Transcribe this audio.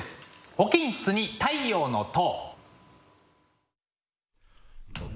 「保健室に太陽の塔」。